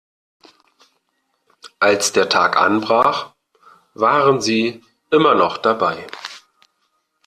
Als der Tag anbrach, waren sie immer noch dabei.